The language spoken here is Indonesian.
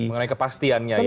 mengenai kepastiannya ya